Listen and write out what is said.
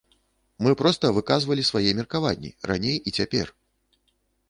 Мы проста выказвалі свае меркаванні раней і цяпер.